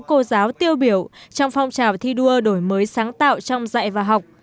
cô giáo tiêu biểu trong phong trào thi đua đổi mới sáng tạo trong dạy và học